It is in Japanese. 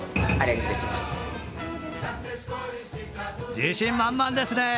自信満々ですね。